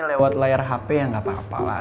lewat layar hp ya nggak apa apa lah